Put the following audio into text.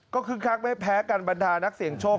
ก็คึกคักไม่แพ้กันบรรดานักเสี่ยงโชค